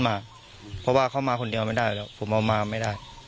มาคนเดียวไม่ได้หรอกผมมาไม่ได้